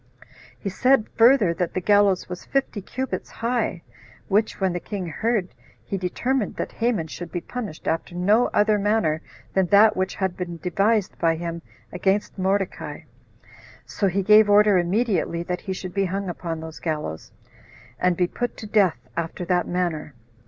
He said further, that the gallows was fifty cubits high: which, when the king heard, he determined that Haman should be punished after no other manner than that which had been devised by him against Mordecai; so he gave order immediately that he should be hung upon those gallows, and be put to death after that manner.